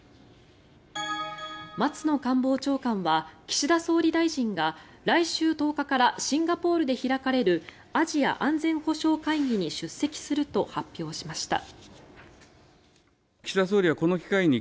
松野官房長官は岸田総理大臣が来週１０日からシンガポールで開かれるアジア安全保障会議に出席すると発表しました。